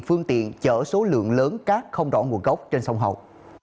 phương tiện chở số lượng lớn cát không đỏ mùa gốc trên sông hậu